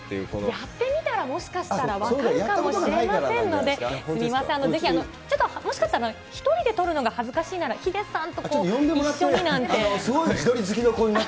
やってみたら、もしかしたら分かるかもしれませんので、すみません、ちょっと、もしなんだったら、１人で撮るのが恥ずかしいなら、ヒデさんとこう、一緒になんて。